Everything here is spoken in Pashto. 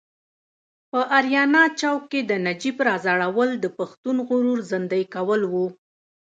په اریانا چوک کې د نجیب راځړول د پښتون غرور زیندۍ کول و.